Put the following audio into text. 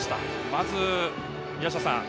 まず宮下さん